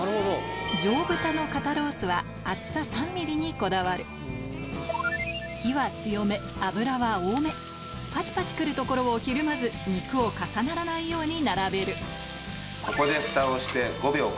上豚の肩ロースは厚さ３ｍｍにこだわる火は強め油は多めパチパチくるところをひるまず肉を重ならないように並べるここでフタをして５秒カウント。